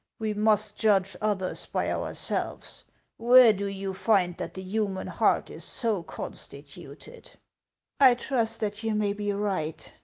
\Ve must judge others by ourselves; where do you find that the human heart is so constituted ?"" I trust that you may be right.